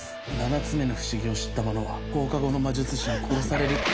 ７つ目の不思議を知った者は放課後の魔術師に殺される。